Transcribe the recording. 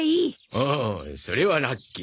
おおそれはラッキー。